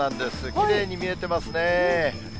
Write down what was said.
きれいに見えてますね。